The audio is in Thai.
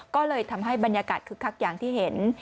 ก็เลยทำให้บรรยากาศคึกคักอย่างที่เห็น